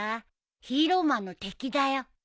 ヒーローマンの敵だよ。